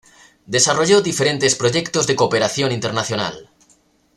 Desarrolló diferentes proyectos de cooperación internacional.